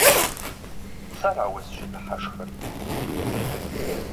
Сэра узыщыдыхьэшхыр?